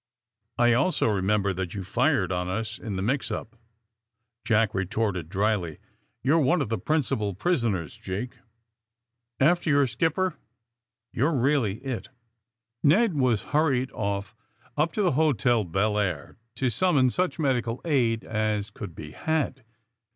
'' *^I also remember that you fired on us in the mix up,'^ Jack retorted dryly. * ^You're one of the principal ]prisoners, Jake. After your skip per you're really it." Ned was hurried oif up to the Hotel Belleair, to summon such medical aid as could be had.